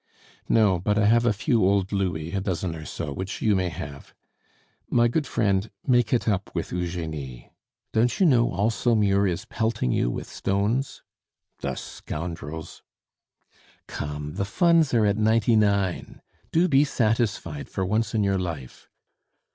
"No; but I have a few old louis, a dozen or so, which you may have. My good friend, make it up with Eugenie. Don't you know all Saumur is pelting you with stones?" "The scoundrels!" "Come, the Funds are at ninety nine. Do be satisfied for once in your life."